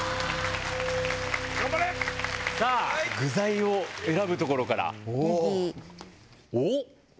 さあ具材を選ぶところからネギおっ！